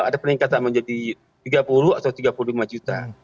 ada peningkatan menjadi tiga puluh atau tiga puluh lima juta